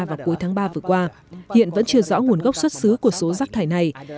vào cuối tháng ba vừa qua hiện vẫn chưa rõ nguồn gốc xuất xứ của số rác thải này